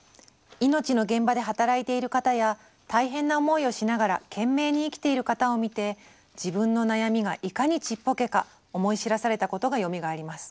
「命の現場で働いている方や大変な思いをしながら懸命に生きている方を見て自分の悩みがいかにちっぽけか思い知らされたことがよみがえります。